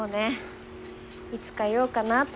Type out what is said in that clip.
いつか言おうかなとは思ってた。